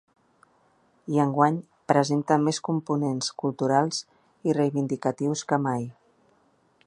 I enguany presenta més components culturals i reivindicatius que mai.